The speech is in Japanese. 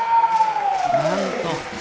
なんと。